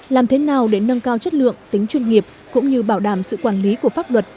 làm thế nào để nâng cao chất lượng tính chuyên nghiệp cũng như bảo đảm sự quản lý của pháp luật